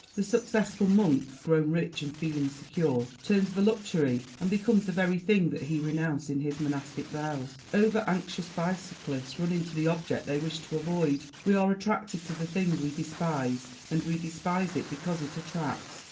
The successful monk, grown rich and feeling secure, turns voluptuary and becomes the very thing that he renounced in his monastic vows. Over anxious bicyclists run into the object they wish to avoid. We are attracted to the thing we despise; and we despise it because it attracts.